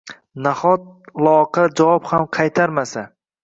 «Nahot, loaqal javob ham qaytarmasa?!